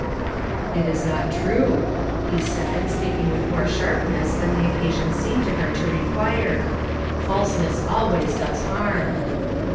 "It is not true," he said, speaking with more sharpness than the occasion seemed to her to re quire, "falseness always does harm."